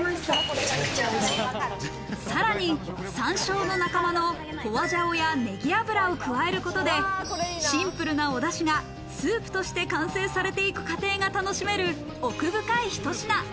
さらに山椒の仲間のホアジャオやネギ油を加えることでシンプルなお出汁がスープとして完成されていく過程が楽しめる奥深いひと品。